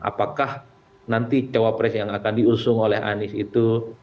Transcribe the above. apakah nanti cawapres yang akan diusung oleh anies itu